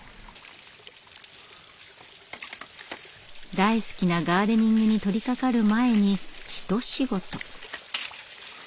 大好きなガーデニングに取りかかる前に一仕事。